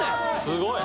すごい！